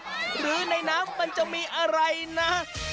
หรือในน้ำมันจะมีอะไรนะ